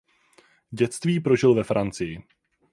Dětství prožil ve Francii.